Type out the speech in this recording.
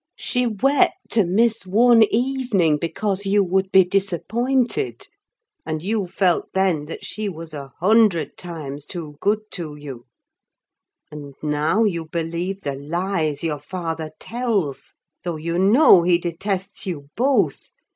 She wept to miss one evening, because you would be disappointed; and you felt then that she was a hundred times too good to you: and now you believe the lies your father tells, though you know he detests you both.